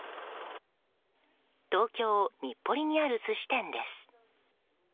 東京・日暮里にある寿司店です。